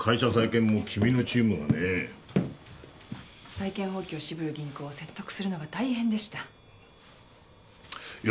債権放棄を渋る銀行を説得するのが大変でした。